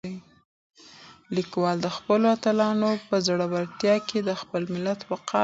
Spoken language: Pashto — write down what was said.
لیکوال د خپلو اتلانو په زړورتیا کې د خپل ملت وقار وینه.